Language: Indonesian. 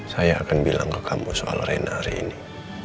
saya akan bilang ke kamu soal arena hari ini